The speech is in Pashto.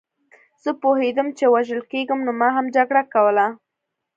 زه پوهېدم چې وژل کېږم نو ما هم جګړه کوله